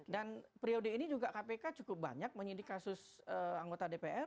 dan pre od ini juga kpk cukup banyak menyedih kasus anggota dpr